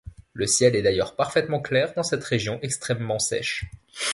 Le ciel est d'ailleurs parfaitement clair dans cette région extrêmement sèche.